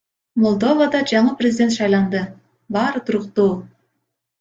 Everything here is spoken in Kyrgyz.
Молдовада жаңы президент шайланды, баары туруктуу.